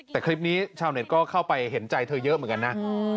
แต่คลิปนี้ชาวเน็ตก็เข้าไปเห็นใจเธอเยอะเหมือนกันนะ